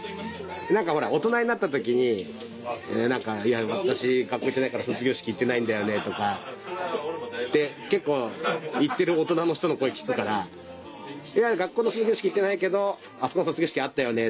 何かほら大人になった時に「私学校行ってないから卒業式行ってないんだよね」とか結構言ってる大人の人の声聞くから「学校の卒業式行ってないけどあそこの卒業式あったよね」